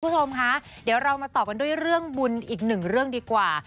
คุณผู้ชมคะเดี๋ยวเรามาต่อกันด้วยเรื่องบุญอีกหนึ่งเรื่องดีกว่า